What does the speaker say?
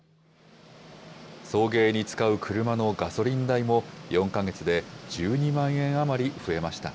送迎に使う車のガソリン代も、４か月で１２万円余り増えました。